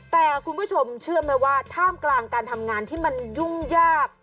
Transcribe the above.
แต่คุณผู้ชมเชื่อไหมว่าท่ามกลางการทำงานที่มันยุ่งยาก